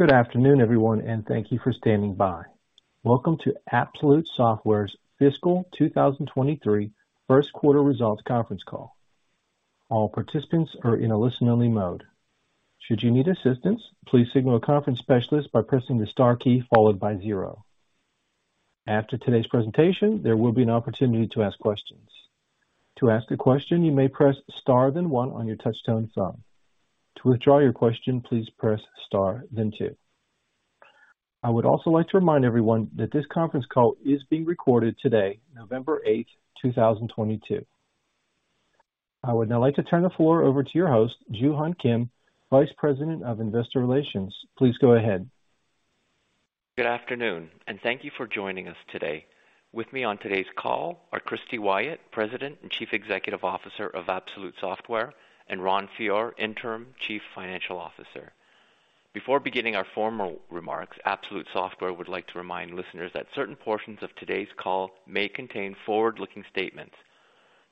Good afternoon, everyone, and thank you for standing by. Welcome to Absolute Software's fiscal 2023 First Quarter Results Conference Call. All participants are in a listen-only mode. Should you need assistance, please signal a conference specialist by pressing the star key followed by zero. After today's presentation, there will be an opportunity to ask questions. To ask a question, you may press star then one on your touchtone phone. To withdraw your question, please press star then two. I would also like to remind everyone that this conference call is being recorded today, November 8th, 2022. I would now like to turn the floor over to your host, Joo-Hun Kim, Vice President of Investor Relations. Please go ahead. Good afternoon, and thank you for joining us today. With me on today's call are Christy Wyatt, President and Chief Executive Officer of Absolute Software, and Ron Fior, Interim Chief Financial Officer. Before beginning our formal remarks, Absolute Software would like to remind listeners that certain portions of today's call may contain forward-looking statements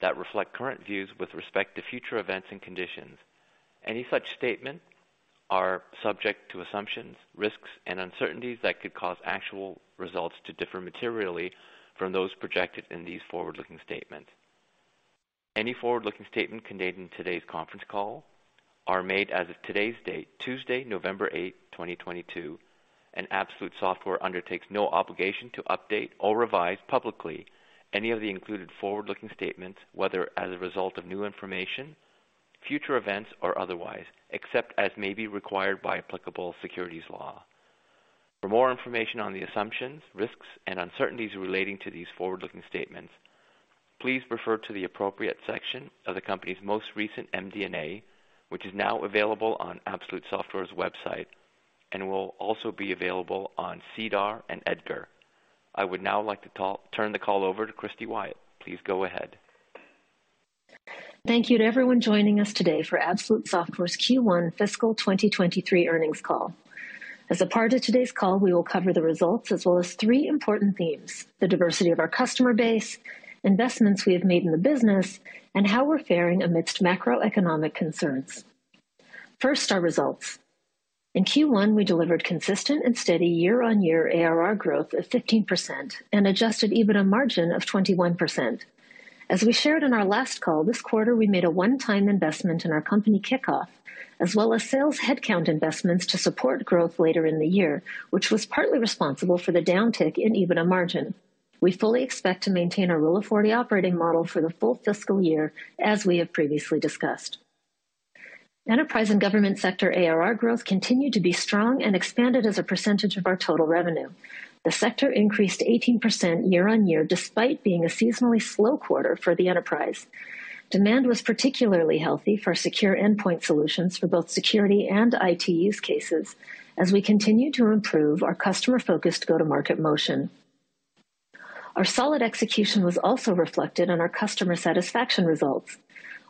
that reflect current views with respect to future events and conditions. Any such statement are subject to assumptions, risks, and uncertainties that could cause actual results to differ materially from those projected in these forward-looking statements. Any forward-looking statement contained in today's conference call are made as of today's date, Tuesday, November 8th, 2022. Absolute Software undertakes no obligation to update or revise publicly any of the included forward-looking statements, whether as a result of new information, future events, or otherwise, except as may be required by applicable securities law. For more information on the assumptions, risks, and uncertainties relating to these forward-looking statements, please refer to the appropriate section of the company's most recent MD&A, which is now available on Absolute Software's website and will also be available on SEDAR and EDGAR. I would now like to turn the call over to Christy Wyatt. Please go ahead. Thank you to everyone joining us today for Absolute Software's Q1 fiscal 2023 earnings call. As a part of today's call, we will cover the results as well as three important themes, the diversity of our customer base, investments we have made in the business, and how we're faring amidst macroeconomic concerns. First, our results. In Q1, we delivered consistent and steady year-on-year ARR growth of 15% and adjusted EBITDA margin of 21%. As we shared in our last call, this quarter we made a one-time investment in our company kickoff, as well as sales headcount investments to support growth later in the year, which was partly responsible for the downtick in EBITDA margin. We fully expect to maintain our Rule of 40 operating model for the full fiscal year as we have previously discussed. Enterprise and government sector ARR growth continued to be strong and expanded as a percentage of our total revenue. The sector increased 18% year-on-year despite being a seasonally slow quarter for the enterprise. Demand was particularly healthy for our secure endpoint solutions for both security and IT use cases as we continue to improve our customer-focused go-to-market motion. Our solid execution was also reflected on our customer satisfaction results.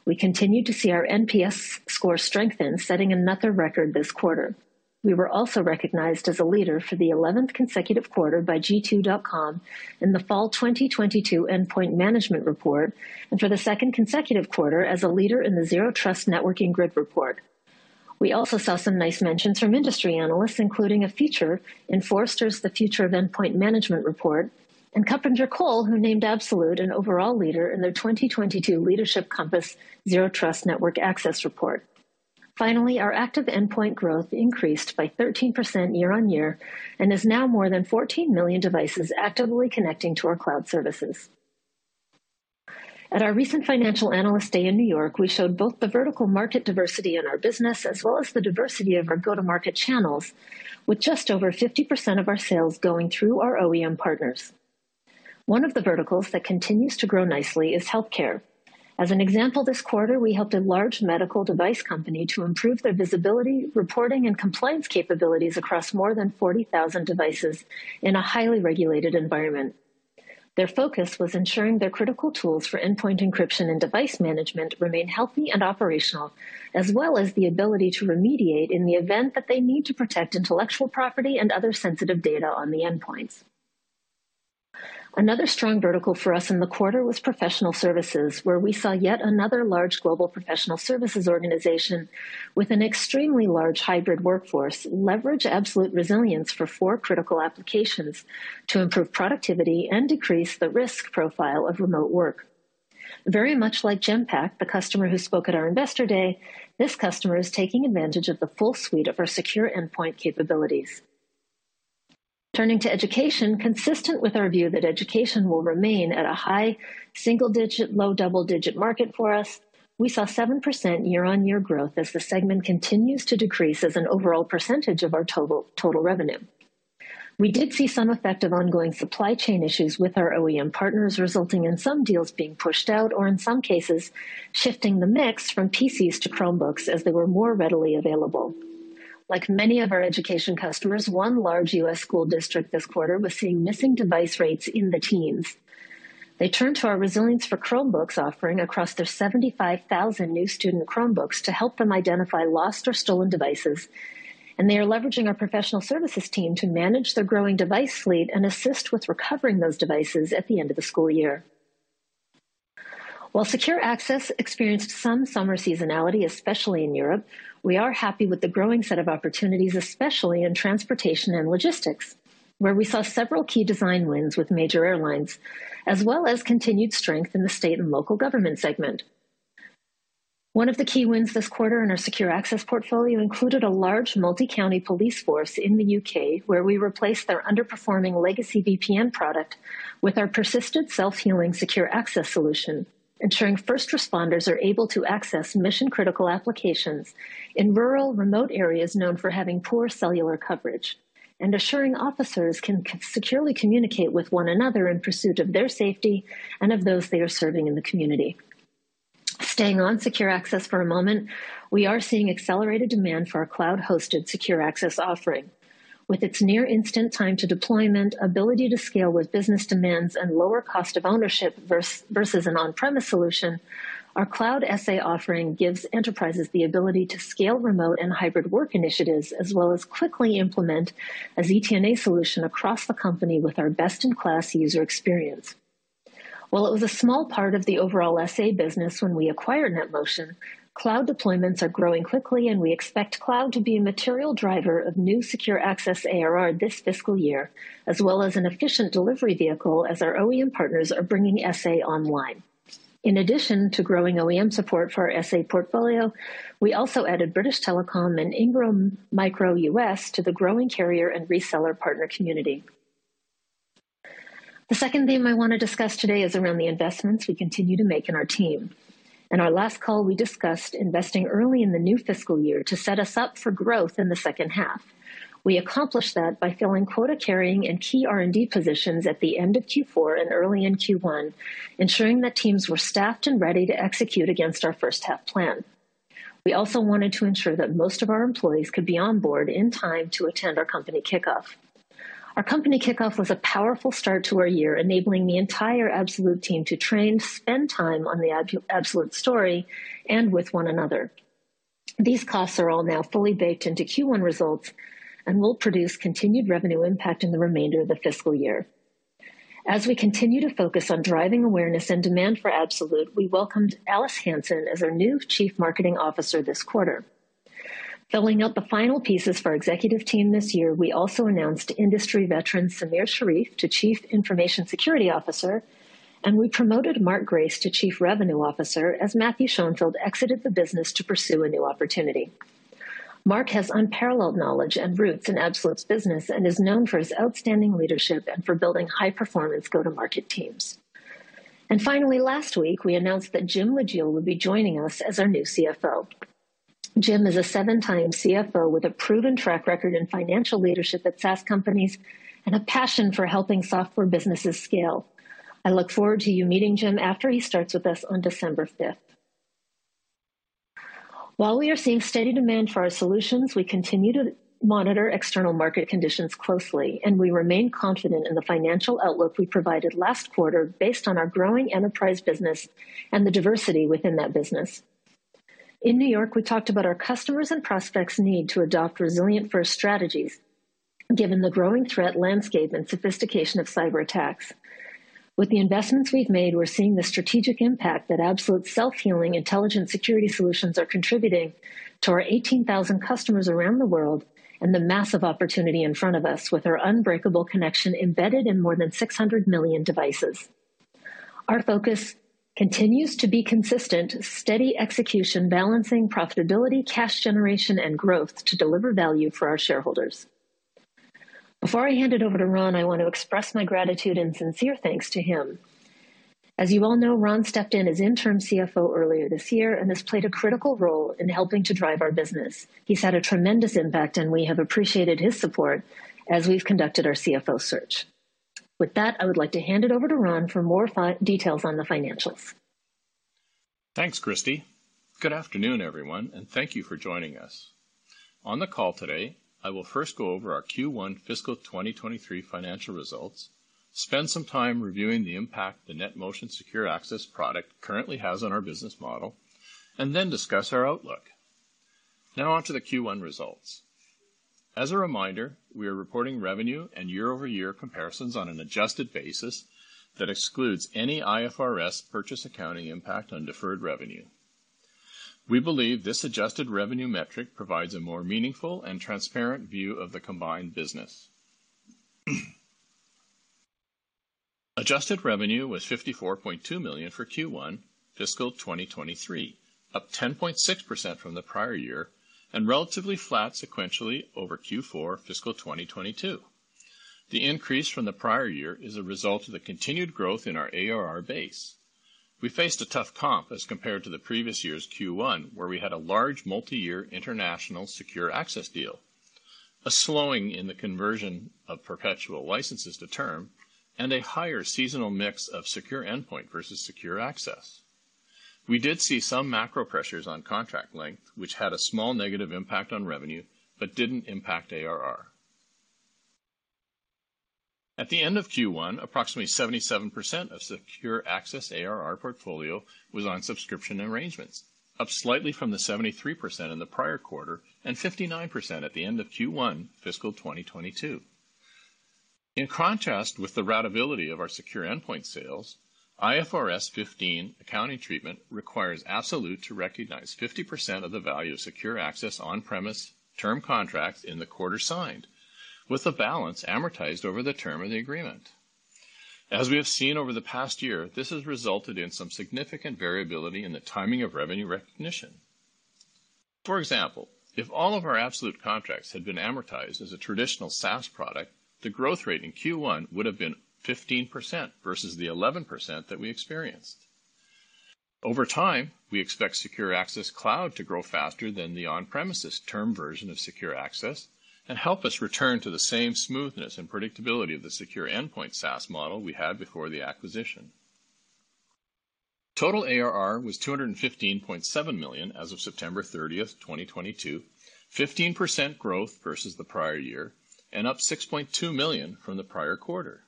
We continued to see our NPS score strengthen, setting another record this quarter. We were also recognized as a leader for the 11th consecutive quarter by G2.com in the Fall 2022 Endpoint Management Report, and for the second consecutive quarter as a leader in the Zero Trust Networking Grid Report. We also saw some nice mentions from industry analysts, including a feature in Forrester's The Future of Endpoint Management report, and KuppingerCole, who named Absolute an overall leader in their 2022 Leadership Compass: Zero Trust Network Access report. Finally, our active endpoint growth increased by 13% year-on-year and is now more than 14 million devices actively connecting to our cloud services. At our recent Financial Analyst Day in New York, we showed both the vertical market diversity in our business as well as the diversity of our go-to-market channels with just over 50% of our sales going through our OEM partners. One of the verticals that continues to grow nicely is healthcare. As an example, this quarter we helped a large medical device company to improve their visibility, reporting, and compliance capabilities across more than 40,000 devices in a highly regulated environment. Their focus was ensuring their critical tools for endpoint encryption and device management remain healthy and operational, as well as the ability to remediate in the event that they need to protect intellectual property and other sensitive data on the endpoints. Another strong vertical for us in the quarter was professional services, where we saw yet another large global professional services organization with an extremely large hybrid workforce leverage Absolute Resilience for four critical applications to improve productivity and decrease the risk profile of remote work. Very much like Genpact, the customer who spoke at our Investor Day, this customer is taking advantage of the full suite of our Secure Endpoint capabilities. Turning to education, consistent with our view that education will remain at a high single digit, low double-digit market for us, we saw 7% year-on-year growth as the segment continues to decrease as an overall percentage of our total revenue. We did see some effect of ongoing supply chain issues with our OEM partners, resulting in some deals being pushed out or in some cases, shifting the mix from PCs to Chromebooks as they were more readily available. Like many of our education customers, one large U.S. school district this quarter was seeing missing device rates in the teens. They turned to our Resilience for Chromebooks offering across their 75,000 new student Chromebooks to help them identify lost or stolen devices. They are leveraging our professional services team to manage their growing device fleet and assist with recovering those devices at the end of the school year. While secure access experienced some summer seasonality, especially in Europe, we are happy with the growing set of opportunities, especially in transportation and logistics, where we saw several key design wins with major airlines, as well as continued strength in the state and local government segment. One of the key wins this quarter in our secure access portfolio included a large multi-county police force in the U.K., where we replaced their underperforming legacy VPN product with our persistent self-healing secure access solution, ensuring first responders are able to access mission-critical applications in rural remote areas known for having poor cellular coverage. Assuring officers can securely communicate with one another in pursuit of their safety and of those they are serving in the community. Staying on secure access for a moment, we are seeing accelerated demand for our cloud-hosted secure access offering. With its near instant time to deployment, ability to scale with business demands, and lower cost of ownership versus an on-premise solution, our cloud SA offering gives enterprises the ability to scale remote and hybrid work initiatives, as well as quickly implement a ZTNA solution across the company with our best-in-class user experience. While it was a small part of the overall SA business when we acquired NetMotion, cloud deployments are growing quickly, and we expect cloud to be a material driver of new secure access ARR this fiscal year, as well as an efficient delivery vehicle as our OEM partners are bringing SA online. In addition to growing OEM support for our SA portfolio, we also added British Telecom and Ingram Micro U.S. to the growing carrier and reseller partner community. The second theme I want to discuss today is around the investments we continue to make in our team. In our last call, we discussed investing early in the new fiscal year to set us up for growth in the second half. We accomplished that by filling quota carrying and key R&D positions at the end of Q4 and early in Q1, ensuring that teams were staffed and ready to execute against our first half plan. We also wanted to ensure that most of our employees could be on board in time to attend our company kickoff. Our company kickoff was a powerful start to our year, enabling the entire Absolute team to train, spend time on the Absolute story and with one another. These costs are all now fully baked into Q1 results and will produce continued revenue impact in the remainder of the fiscal year. As we continue to focus on driving awareness and demand for Absolute, we welcomed Alice Hansen as our new Chief Marketing Officer this quarter. Filling out the final pieces for our executive team this year, we also announced industry veteran Samir Sherif to Chief Information Security Officer, and we promoted Mark Grace to Chief Revenue Officer as Matthew Schoenfeld exited the business to pursue a new opportunity. Mark has unparalleled knowledge and roots in Absolute's business and is known for his outstanding leadership and for building high-performance go-to-market teams. Finally, last week, we announced that Jim Lejeal will be joining us as our new CFO. Jim is a seven-time CFO with a proven track record in financial leadership at SaaS companies and a passion for helping software businesses scale. I look forward to you meeting Jim after he starts with us on December 5th. While we are seeing steady demand for our solutions, we continue to monitor external market conditions closely, and we remain confident in the financial outlook we provided last quarter based on our growing enterprise business and the diversity within that business. In New York, we talked about our customers' and prospects' need to adopt resilient-first strategies given the growing threat landscape and sophistication of cyberattacks. With the investments we've made, we're seeing the strategic impact that Absolute's self-healing, intelligent security solutions are contributing to our 18,000 customers around the world and the massive opportunity in front of us with our unbreakable connection embedded in more than 600 million devices. Our focus continues to be consistent, steady execution, balancing profitability, cash generation, and growth to deliver value for our shareholders. Before I hand it over to Ron, I want to express my gratitude and sincere thanks to him. As you all know, Ron stepped in as interim CFO earlier this year and has played a critical role in helping to drive our business. He's had a tremendous impact, and we have appreciated his support as we've conducted our CFO search. With that, I would like to hand it over to Ron for more details on the financials. Thanks, Christy. Good afternoon, everyone, and thank you for joining us. On the call today, I will first go over our Q1 fiscal 2023 financial results, spend some time reviewing the impact the NetMotion Secure Access product currently has on our business model, and then discuss our outlook. Now onto the Q1 results. As a reminder, we are reporting revenue and year-over-year comparisons on an adjusted basis that excludes any IFRS purchase accounting impact on deferred revenue. We believe this adjusted revenue metric provides a more meaningful and transparent view of the combined business. Adjusted revenue was $54.2 million for Q1 fiscal 2023, up 10.6% from the prior year and relatively flat sequentially over Q4 fiscal 2022. The increase from the prior year is a result of the continued growth in our ARR base. We faced a tough comp as compared to the previous year's Q1, where we had a large multiyear international secure access deal, a slowing in the conversion of perpetual licenses to term, and a higher seasonal mix of secure endpoint versus secure access. We did see some macro pressures on contract length, which had a small negative impact on revenue but didn't impact ARR. At the end of Q1, approximately 77% of secure access ARR portfolio was on subscription arrangements, up slightly from the 73% in the prior quarter and 59% at the end of Q1 fiscal 2022. In contrast with the ratability of our secure endpoint sales, IFRS 15 accounting treatment requires Absolute to recognize 50% of the value of secure access on-premise term contracts in the quarter signed, with the balance amortized over the term of the agreement. As we have seen over the past year, this has resulted in some significant variability in the timing of revenue recognition. For example, if all of our Absolute contracts had been amortized as a traditional SaaS product, the growth rate in Q1 would have been 15% versus the 11% that we experienced. Over time, we expect Secure Access Cloud to grow faster than the on-premises term version of Secure Access and help us return to the same smoothness and predictability of the Secure Endpoint SaaS model we had before the acquisition. Total ARR was $215.7 million as of September 30th, 2022, 15% growth versus the prior year and up $6.2 million from the prior quarter.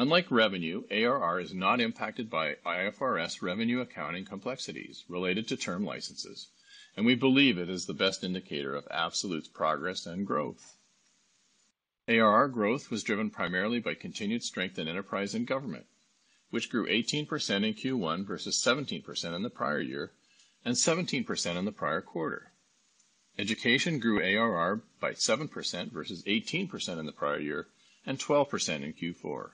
Unlike revenue, ARR is not impacted by IFRS revenue accounting complexities related to term licenses, and we believe it is the best indicator of Absolute's progress and growth. ARR growth was driven primarily by continued strength in enterprise and government, which grew 18% in Q1 versus 17% in the prior year and 17% in the prior quarter. Education grew ARR by 7% versus 18% in the prior year and 12% in Q4.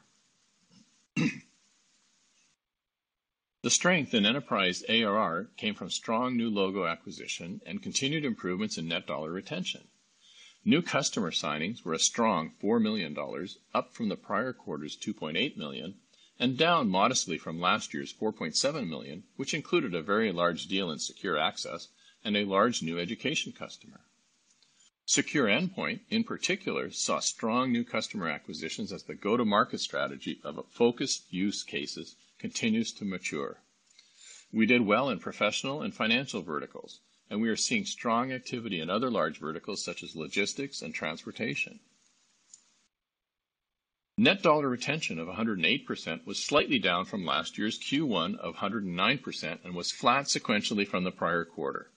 The strength in enterprise ARR came from strong new logo acquisition and continued improvements in Net Dollar Retention. New customer signings were a strong $4 million, up from the prior quarter's $2.8 million and down modestly from last year's $4.7 million, which included a very large deal in secure access and a large new education customer. Secure Endpoint, in particular, saw strong new customer acquisitions as the go-to-market strategy of a focused use cases continues to mature. We did well in professional and financial verticals, and we are seeing strong activity in other large verticals such as logistics and transportation. Net dollar retention of 108% was slightly down from last year's Q1 of 109% and was flat sequentially from the prior quarter.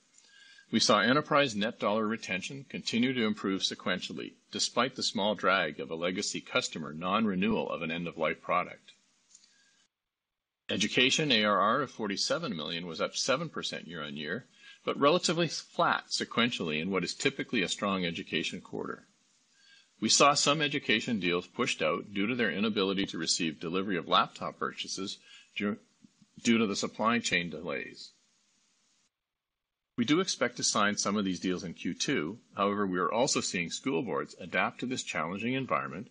We saw enterprise net dollar retention continue to improve sequentially, despite the small drag of a legacy customer non-renewal of an end-of-life product. Education ARR of $47 million was up 7% year-on-year, but relatively flat sequentially in what is typically a strong education quarter. We saw some education deals pushed out due to their inability to receive delivery of laptop purchases due to the supply chain delays. We do expect to sign some of these deals in Q2. However, we are also seeing school boards adapt to this challenging environment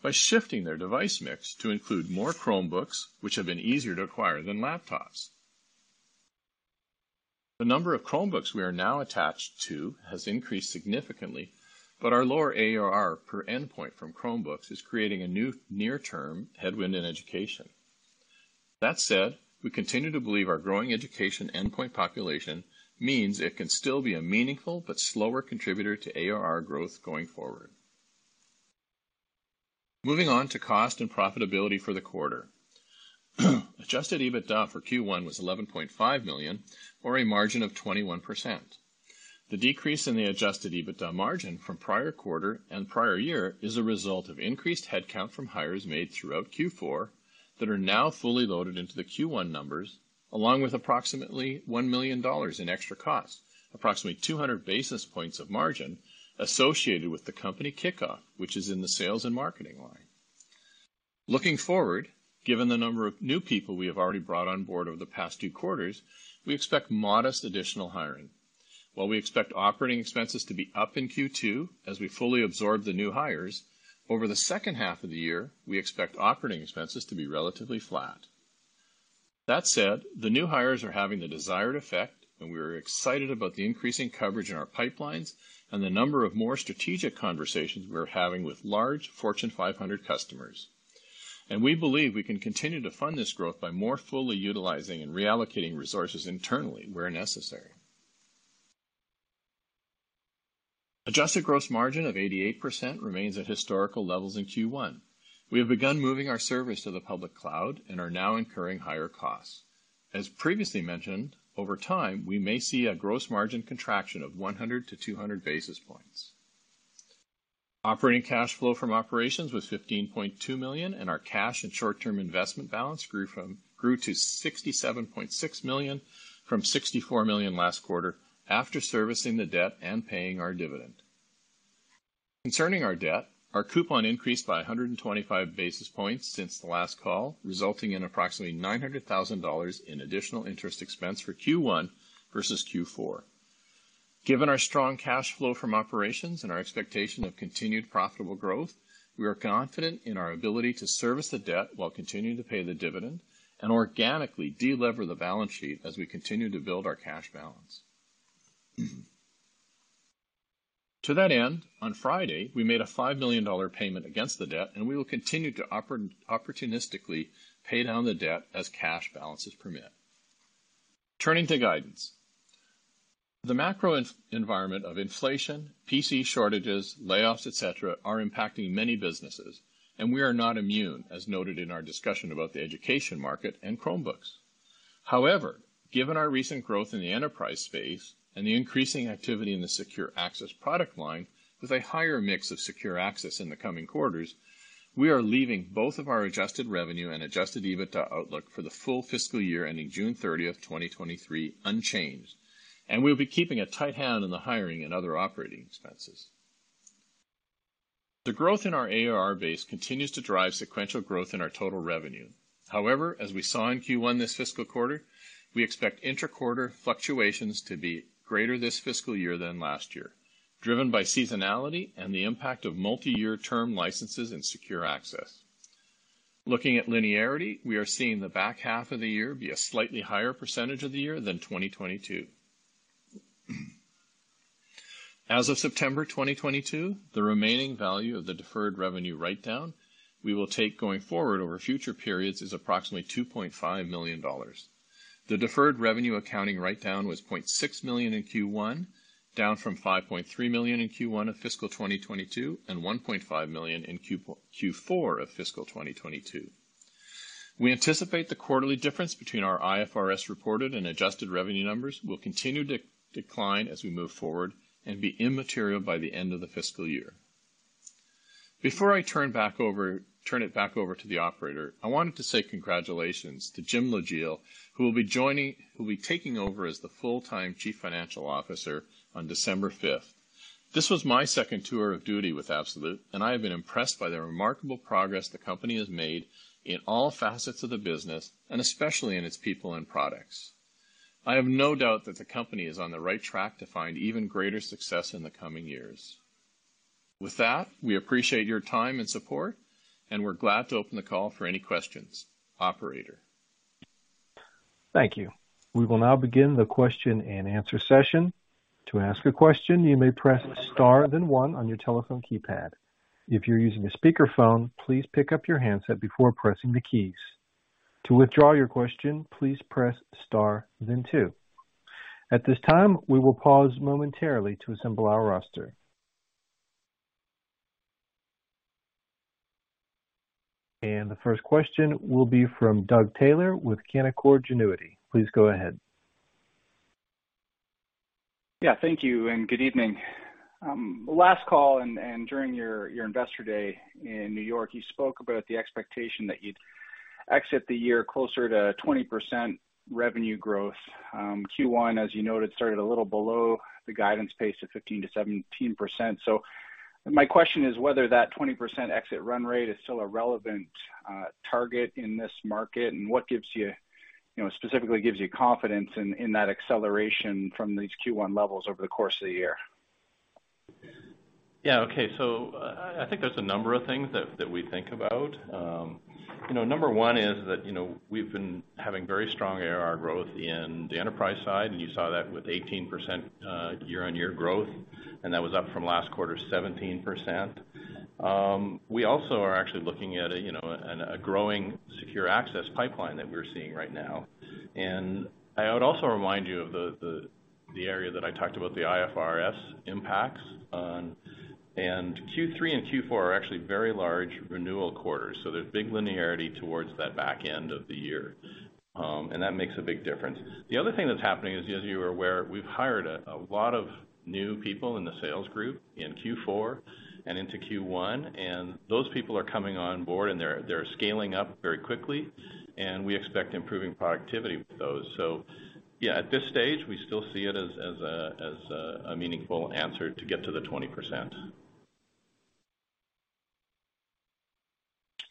by shifting their device mix to include more Chromebooks, which have been easier to acquire than laptops. The number of Chromebooks we are now attached to has increased significantly, but our lower ARR per endpoint from Chromebooks is creating a new near-term headwind in education. That said, we continue to believe our growing education endpoint population means it can still be a meaningful but slower contributor to ARR growth going forward. Moving on to cost and profitability for the quarter. Adjusted EBITDA for Q1 was $11.5 million or a margin of 21%. The decrease in the adjusted EBITDA margin from prior quarter and prior year is a result of increased headcount from hires made throughout Q4 that are now fully loaded into the Q1 numbers, along with approximately $1 million in extra cost, approximately 200 basis points of margin associated with the company kickoff, which is in the sales and marketing line. Looking forward, given the number of new people we have already brought on board over the past two quarters, we expect modest additional hiring. While we expect operating expenses to be up in Q2 as we fully absorb the new hires, over the second half of the year, we expect operating expenses to be relatively flat. That said, the new hires are having the desired effect, and we are excited about the increasing coverage in our pipelines and the number of more strategic conversations we're having with large Fortune 500 customers. We believe we can continue to fund this growth by more fully utilizing and reallocating resources internally where necessary. Adjusted gross margin of 88% remains at historical levels in Q1. We have begun moving our servers to the public cloud and are now incurring higher costs. As previously mentioned, over time, we may see a gross margin contraction of 100-200 basis points. Operating cash flow from operations was $15.2 million, and our cash and short-term investment balance grew to $67.6 million from $64 million last quarter after servicing the debt and paying our dividend. Concerning our debt, our coupon increased by 125 basis points since the last call, resulting in approximately $900,000 in additional interest expense for Q1 versus Q4. Given our strong cash flow from operations and our expectation of continued profitable growth, we are confident in our ability to service the debt while continuing to pay the dividend and organically deliver the balance sheet as we continue to build our cash balance. To that end, on Friday, we made a $5 million payment against the debt, and we will continue to opportunistically pay down the debt as cash balances permit. Turning to guidance. The macro environment of inflation, PC shortages, layoffs, et cetera, are impacting many businesses, and we are not immune, as noted in our discussion about the education market and Chromebooks. However, given our recent growth in the enterprise space and the increasing activity in the secure access product line with a higher mix of secure access in the coming quarters, we are leaving both of our adjusted revenue and adjusted EBITDA outlook for the full fiscal year ending June 30th, 2023 unchanged, and we'll be keeping a tight hand on the hiring and other operating expenses. The growth in our ARR base continues to drive sequential growth in our total revenue. However, as we saw in Q1 this fiscal quarter, we expect inter-quarter fluctuations to be greater this fiscal year than last year, driven by seasonality and the impact of multi-year term licenses and secure access. Looking at linearity, we are seeing the back half of the year be a slightly higher percentage of the year than 2022. As of September 2022, the remaining value of the deferred revenue write down we will take going forward over future periods is approximately $2.5 million. The deferred revenue accounting write down was $0.6 million in Q1, down from $5.3 million in Q1 of fiscal 2022 and $1.5 million in Q4 of fiscal 2022. We anticipate the quarterly difference between our IFRS reported and adjusted revenue numbers will continue to decline as we move forward and be immaterial by the end of the fiscal year. Before I turn it back over to the operator, I wanted to say congratulations to Jim Lejeal, who will be taking over as the full-time Chief Financial Officer on December 5th. This was my second tour of duty with Absolute, and I have been impressed by the remarkable progress the company has made in all facets of the business, and especially in its people and products. I have no doubt that the company is on the right track to find even greater success in the coming years. With that, we appreciate your time and support, and we're glad to open the call for any questions. Operator. Thank you. We will now begin the question-and-answer session. To ask a question, you may press star then one on your telephone keypad. If you're using a speakerphone, please pick up your handset before pressing the keys. To withdraw your question, please press star then two. At this time, we will pause momentarily to assemble our roster. The first question will be from Doug Taylor with Canaccord Genuity. Please go ahead. Yeah, thank you and good evening. Last call and during your Investor Day in New York, you spoke about the expectation that you'd exit the year closer to 20% revenue growth. Q1, as you noted, started a little below the guidance pace of 15%-17%. My question is whether that 20% exit run rate is still a relevant target in this market. What gives you know, specifically gives you confidence in that acceleration from these Q1 levels over the course of the year? Yeah. Okay. I think there's a number of things that we think about. You know, number one is that, you know, we've been having very strong ARR growth in the enterprise side, and you saw that with 18% year-over-year growth, and that was up from last quarter, 17%. We also are actually looking at a growing secure access pipeline that we're seeing right now. I would also remind you of the area that I talked about, the IFRS impacts on. Q3 and Q4 are actually very large renewal quarters, so there's big linearity towards that back end of the year, and that makes a big difference. The other thing that's happening is, as you are aware, we've hired a lot of new people in the sales group in Q4 and into Q1, and those people are coming on board, and they're scaling up very quickly, and we expect improving productivity with those. Yeah, at this stage, we still see it as a meaningful answer to get to the 20%.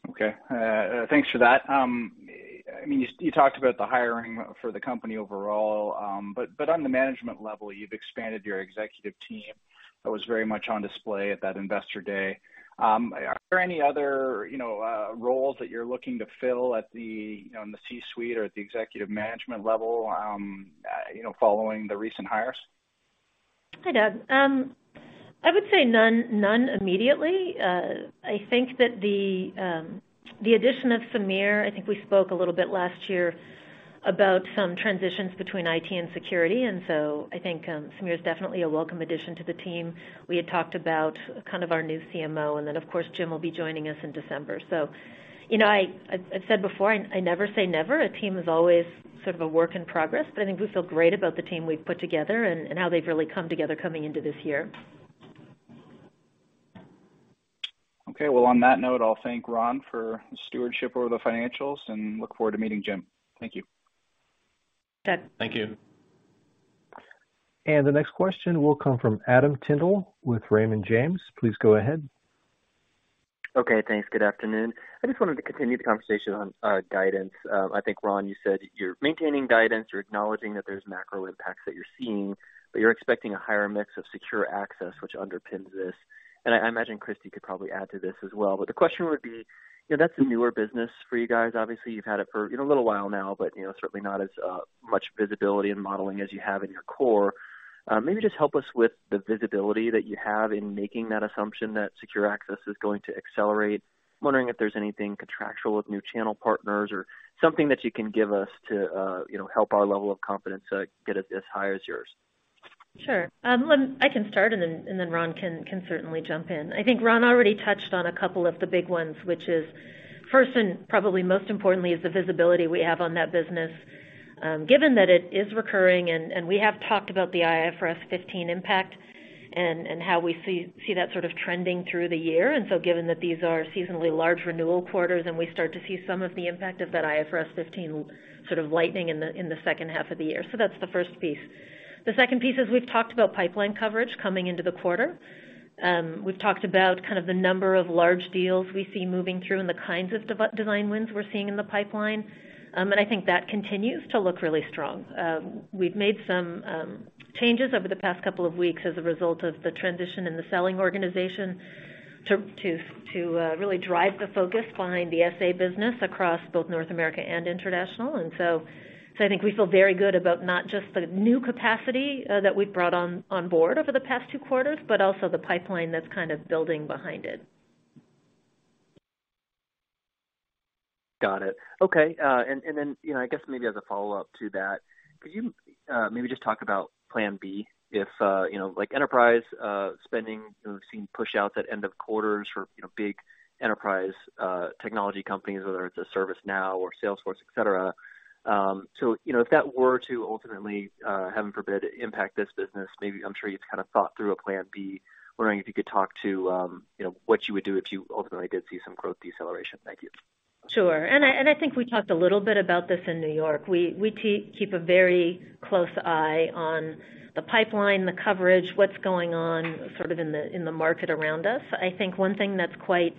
Okay. Thanks for that. I mean, you talked about the hiring for the company overall, but on the management level, you've expanded your executive team. That was very much on display at that Investor Day. Are there any other, you know, roles that you're looking to fill at the, you know, in the C-suite or at the executive management level, you know, following the recent hires? Hi, Doug. I would say none immediately. I think that the addition of Samir, I think we spoke a little bit last year about some transitions between IT and security, and so I think Samir is definitely a welcome addition to the team. We had talked about kind of our new CMO, and then of course, Jim will be joining us in December. You know, I've said before, I never say never. A team is always sort of a work in progress, but I think we feel great about the team we've put together and how they've really come together coming into this year. Okay. Well, on that note, I'll thank Ron for his stewardship over the financials and look forward to meeting Jim. Thank you. Good. Thank you. The next question will come from Adam Tindle with Raymond James. Please go ahead. Okay, thanks. Good afternoon. I just wanted to continue the conversation on guidance. I think, Ron, you said you're maintaining guidance. You're acknowledging that there's macro impacts that you're seeing, but you're expecting a higher mix of secure access, which underpins this. I imagine Christy could probably add to this as well, but the question would be, you know, that's a newer business for you guys. Obviously, you've had it for, you know, a little while now, but, you know, certainly not as much visibility and modeling as you have in your core. Maybe just help us with the visibility that you have in making that assumption that secure access is going to accelerate. I'm wondering if there's anything contract ual with new channel partners or something that you can give us to, you know, help our level of confidence get it as high as yours. Sure. I can start and then Ron can certainly jump in. I think Ron already touched on a couple of the big ones, which is first and probably most importantly, is the visibility we have on that business, given that it is recurring and we have talked about the IFRS 15 impact and how we see that sort of trending through the year. Given that these are seasonally large renewal quarters, and we start to see some of the impact of that IFRS 15 sort of lightening in the second half of the year. That's the first piece. The second piece is we've talked about pipeline coverage coming into the quarter. We've talked about kind of the number of large deals we see moving through and the kinds of design wins we're seeing in the pipeline. I think that continues to look really strong. We've made some changes over the past couple of weeks as a result of the transition in the selling organization to really drive the focus behind the SA business across both North America and international. I think we feel very good about not just the new capacity that we've brought on board over the past two quarters, but also the pipeline that's kind of building behind it. Got it. Okay. You know, I guess maybe as a follow-up to that, could you maybe just talk about plan B if, you know, like enterprise spending, you know, we've seen push outs at end of quarters for, you know, big enterprise technology companies, whether it's a ServiceNow or Salesforce, et cetera. You know, if that were to ultimately, heaven forbid, impact this business, maybe I'm sure you've kind of thought through a plan B. Wondering if you could talk to, you know, what you would do if you ultimately did see some growth deceleration. Thank you. Sure. I think we talked a little bit about this in New York. We keep a very close eye on the pipeline, the coverage, what's going on sort of in the market around us. I think one thing that's quite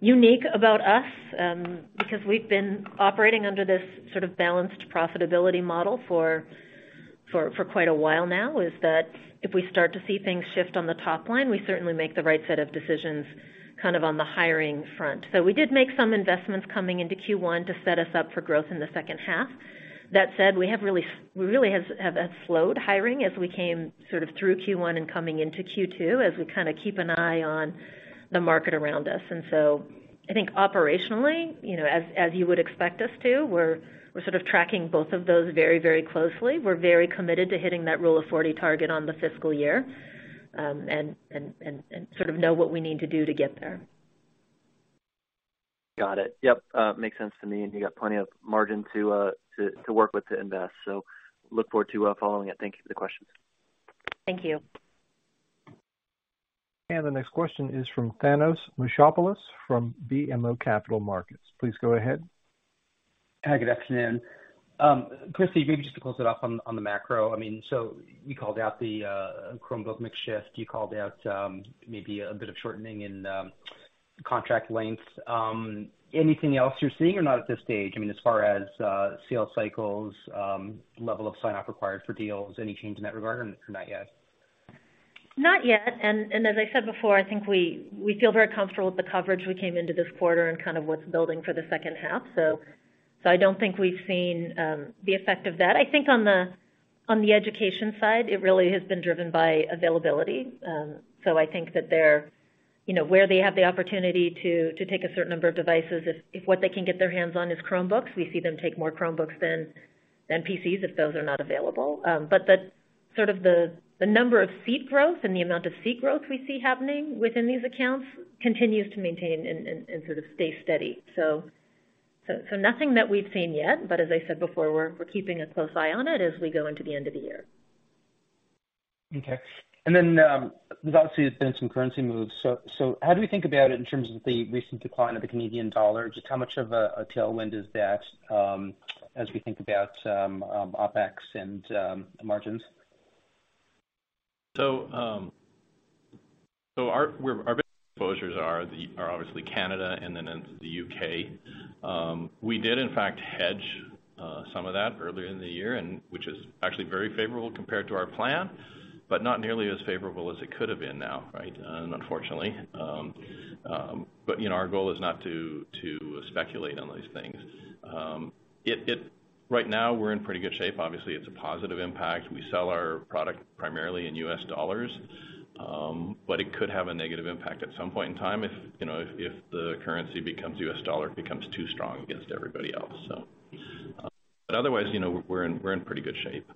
unique about us, because we've been operating under this sort of balanced profitability model for quite a while now, is that if we start to see things shift on the top line, we certainly make the right set of decisions kind of on the hiring front. We did make some investments coming into Q1 to set us up for growth in the second half. That said, we really have slowed hiring as we came sort of through Q1 and coming into Q2, as we kinda keep an eye on the market around us. I think operationally, you know, as you would expect us to, we're sort of tracking both of those very, very closely. We're very committed to hitting that Rule of 40 target on the fiscal year, and sort of know what we need to do to get there. Got it. Yep. Makes sense to me. You got plenty of margin to work with to invest. Look forward to following it. Thank you for the questions. Thank you. The next question is from Thanos Moschopoulos from BMO Capital Markets. Please go ahead. Hi, good afternoon. Christy, maybe just to close it off on the macro. I mean, so you called out the Chromebook mix shift. You called out maybe a bit of shortening in contract lengths. Anything else you're seeing or not at this stage? I mean, as far as sales cycles, level of sign-off required for deals, any change in that regard or not yet? Not yet. As I said before, I think we feel very comfortable with the coverage we came into this quarter and kind of what's building for the second half. I don't think we've seen the effect of that. I think on the education side, it really has been driven by availability. I think that they're, you know, where they have the opportunity to take a certain number of devices if what they can get their hands on is Chromebooks, we see them take more Chromebooks than PCs if those are not available. But the sort of the number of seat growth and the amount of seat growth we see happening within these accounts continues to maintain and sort of stay steady. nothing that we've seen yet, but as I said before, we're keeping a close eye on it as we go into the end of the year. Okay. There's obviously been some currency moves. How do we think about it in terms of the recent decline of the Canadian dollar? Just how much of a tailwind is that, as we think about OpEx and margins? Our big exposures are obviously Canada and then into the U.K.. We did in fact hedge some of that earlier in the year and which is actually very favorable compared to our plan, but not nearly as favorable as it could have been now, right? Unfortunately. Our goal is not to speculate on these things. Right now we're in pretty good shape. Obviously, it's a positive impact. We sell our product primarily in U.S. dollars. It could have a negative impact at some point in time if you know if the U.S. dollar becomes too strong against everybody else, so. Otherwise, you know, we're in pretty good shape.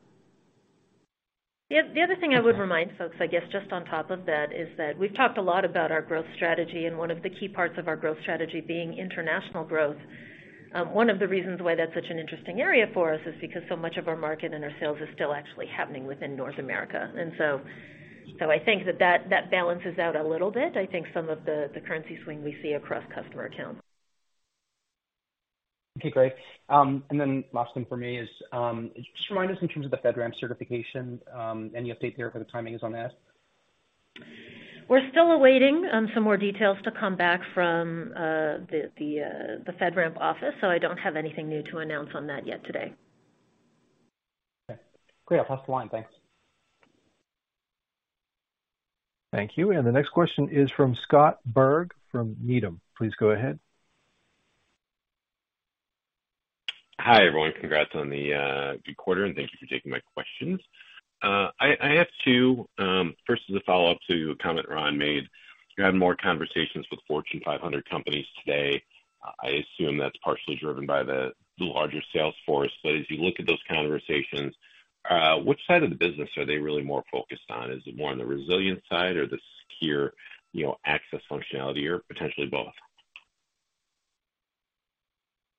The other thing I would remind folks, I guess, just on top of that, is that we've talked a lot about our growth strategy and one of the key parts of our growth strategy being international growth. One of the reasons why that's such an interesting area for us is because so much of our market and our sales is still actually happening within North America. So I think that balances out a little bit. I think some of the currency swing we see across customer accounts. Okay, great. Last one for me is, just remind us in terms of the FedRAMP certification, any update there for the timings on that? We're still awaiting some more details to come back from the FedRAMP office, so I don't have anything new to announce on that yet today. Okay. Great. I'll pass the line. Thanks. Thank you. The next question is from Scott Berg from Needham. Please go ahead. Hi, everyone. Congrats on the good quarter, and thank you for taking my questions. I have two. First is a follow-up to a comment Ron made. You had more conversations with Fortune 500 companies today. I assume that's partially driven by the larger sales force. As you look at those conversations, which side of the business are they really more focused on? Is it more on the resilience side or the secure, you know, access functionality, or potentially both?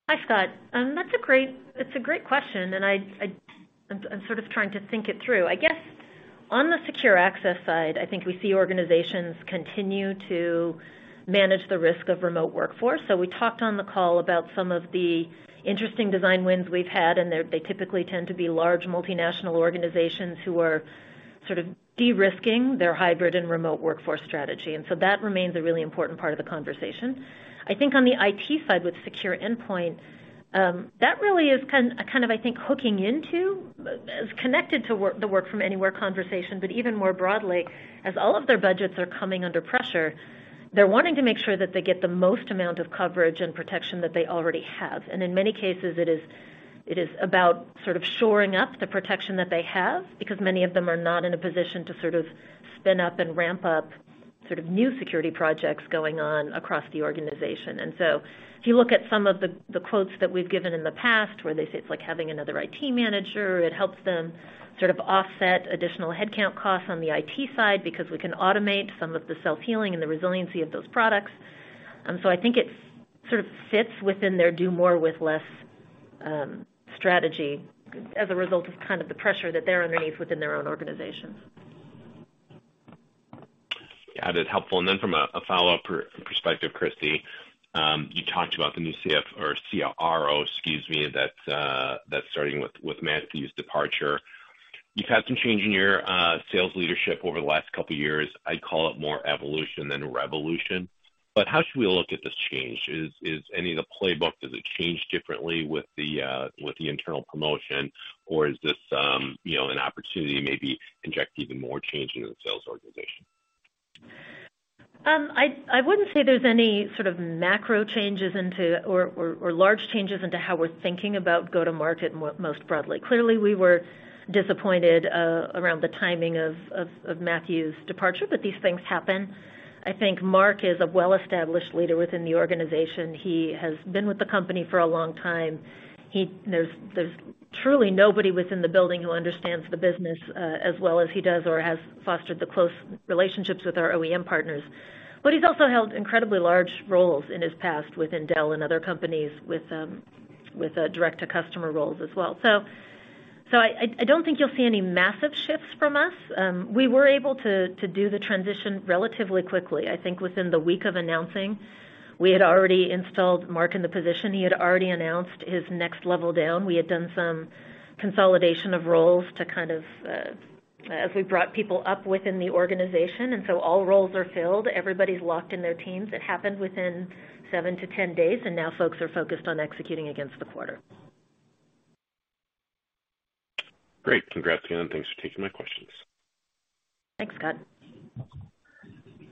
Hi, Scott. It's a great question, and I'm sort of trying to think it through. I guess on the secure access side, I think we see organizations continue to manage the risk of remote workforce. We talked on the call about some of the interesting design wins we've had, and they typically tend to be large multinational organizations who are sort of de-risking their hybrid and remote workforce strategy. That remains a really important part of the conversation. I think on the IT side with secure endpoint, that really is kind of I think is connected to the work from anywhere conversation, but even more broadly, as all of their budgets are coming under pressure, they're wanting to make sure that they get the most amount of coverage and protection that they already have. In many cases, it is about sort of shoring up the protection that they have because many of them are not in a position to sort of spin up and ramp up sort of new security projects going on across the organization. If you look at some of the quotes that we've given in the past, where they say it's like having another IT manager, it helps them sort of offset additional headcount costs on the IT side because we can automate some of the self-healing and the resiliency of those products. So I think it sort of fits within their do more with less strategy as a result of kind of the pressure that they're underneath within their own organization. Yeah, that is helpful. From a follow-up perspective, Christy, you talked about the new CFO or CRO, excuse me, that's starting with Matthew's departure. You've had some change in your sales leadership over the last couple of years. I'd call it more evolution than revolution. How should we look at this change? Is any of the playbook, does it change differently with the internal promotion? Or is this, you know, an opportunity to maybe inject even more change into the sales organization? I wouldn't say there's any sort of macro changes into or large changes into how we're thinking about go-to-market most broadly. Clearly, we were disappointed around the timing of Matthew's departure, but these things happen. I think Mark is a well-established leader within the organization. He has been with the company for a long time. There's truly nobody within the building who understands the business as well as he does or has fostered the close relationships with our OEM partners. He's also held incredibly large roles in his past within Dell and other companies with direct-to-customer roles as well. I don't think you'll see any massive shifts from us. We were able to do the transition relatively quickly. I think within the week of announcing, we had already installed Mark in the position. He had already announced his next level down. We had done some consolidation of roles to kind of, as we brought people up within the organization, and so all roles are filled. Everybody's locked in their teams. It happened within 7-10 days, and now folks are focused on executing against the quarter. Great. Congrats again, thanks for taking my questions. Thanks, Scott.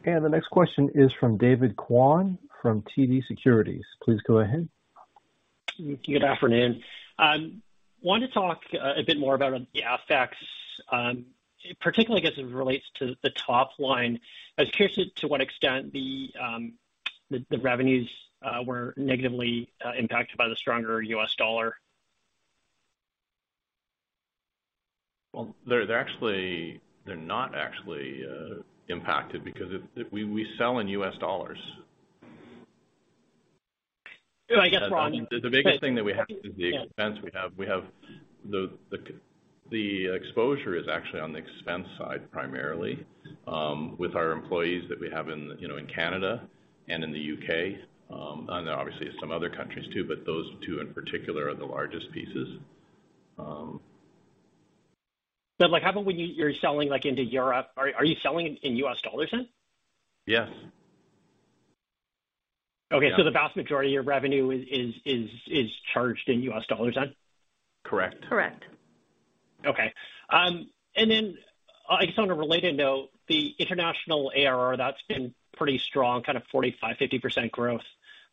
The next question is from David Kwan from TD Securities. Please go ahead. Good afternoon. Wanted to talk a bit more about the effects, particularly as it relates to the top line. I was curious to what extent the revenues were negatively impacted by the stronger U.S. dollar. Well, they're not actually impacted because we sell in U.S. dollars. No, I guess. The biggest thing that we have is the expense we have. We have the exposure is actually on the expense side, primarily, with our employees that we have in, you know, in Canada and in the U.K.., and obviously some other countries too, but those two in particular are the largest pieces. Like, how about when you're selling, like, into Europe? Are you selling in U.S. dollars then? Yes. Okay. Yeah. The vast majority of your revenue is charged in U.S. dollars then? Correct. Correct. Okay. Then I guess on a related note, the international ARR that's been pretty strong, kind of 45%-50% growth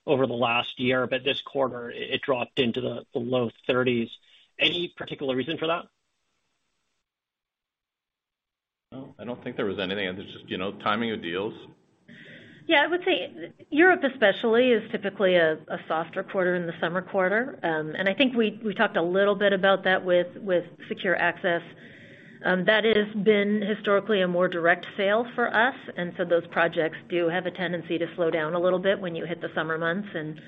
over the last year, but this quarter it dropped into the low 30s. Any particular reason for that? No, I don't think there was anything. It's just, you know, timing of deals. Yeah, I would say Europe especially is typically a softer quarter in the summer quarter. I think we talked a little bit about that with secure access. That has been historically a more direct sale for us, and so those projects do have a tendency to slow down a little bit when you hit the summer months, and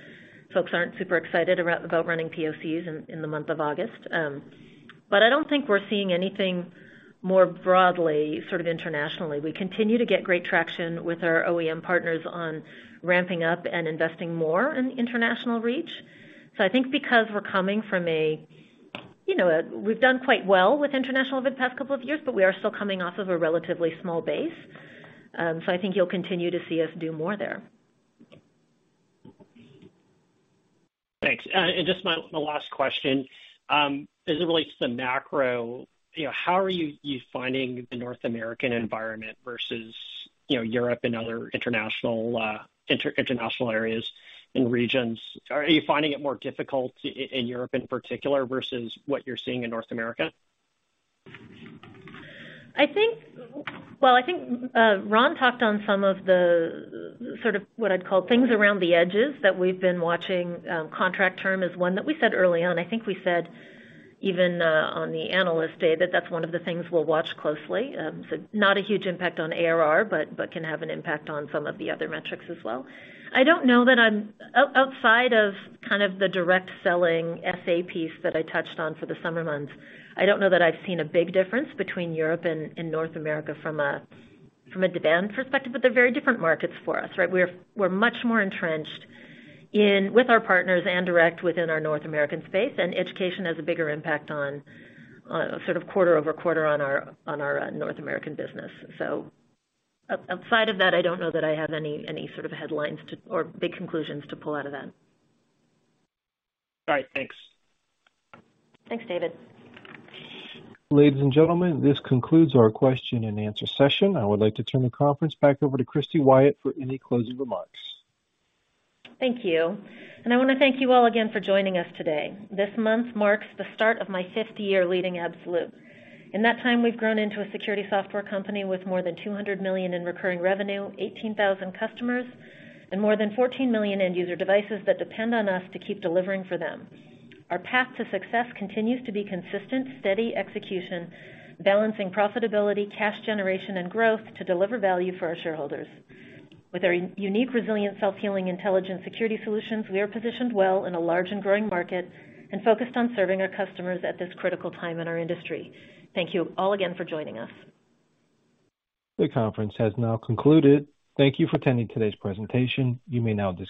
folks aren't super excited about running POCs in the month of August. I don't think we're seeing anything more broadly, sort of internationally. We continue to get great traction with our OEM partners on ramping up and investing more in international reach. I think because we're coming from a, you know, we've done quite well with international over the past couple of years, but we are still coming off of a relatively small base. I think you'll continue to see us do more there. Thanks. Just my last question, as it relates to macro, you know, how are you finding the North American environment versus you know, Europe and other international areas and regions. Are you finding it more difficult in Europe in particular versus what you're seeing in North America? I think. Well, I think, Ron talked on some of the sort of what I'd call things around the edges that we've been watching. Contract term is one that we said early on. I think we said even on the Analyst Day that that's one of the things we'll watch closely. So not a huge impact on ARR, but can have an impact on some of the other metrics as well. I don't know that I'm outside of kind of the direct selling SA piece that I touched on for the summer months. I don't know that I've seen a big difference between Europe and North America from a demand perspective, but they're very different markets for us, right? We're much more entrenched in with our partners and direct within our North American space, and education has a bigger impact on a sort of quarter-over-quarter on our North American business. Outside of that, I don't know that I have any sort of headlines to or big conclusions to pull out of that. All right, thanks. Thanks, David. Ladies and gentlemen, this concludes our question-and-answer session. I would like to turn the conference back over to Christy Wyatt for any closing remarks. Thank you. I wanna thank you all again for joining us today. This month marks the start of my fifth year leading Absolute. In that time, we've grown into a security software company with more than $200 million in recurring revenue, 18,000 customers, and more than 14 million end user devices that depend on us to keep delivering for them. Our path to success continues to be consistent, steady execution, balancing profitability, cash generation, and growth to deliver value for our shareholders. With our unique, resilient, self-healing, intelligent security solutions, we are positioned well in a large and growing market and focused on serving our customers at this critical time in our industry. Thank you all again for joining us. The conference has now concluded. Thank you for attending today's presentation. You may now disconnect.